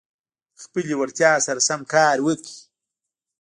د خپلي وړتیا سره سم کار وکړئ.